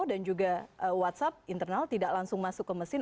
dan juga whatsapp internal tidak langsung masuk ke mesin